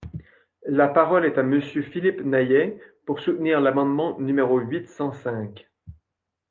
La parole est à Monsieur Philippe Naillet, pour soutenir l’amendement numéro huit cent cinq.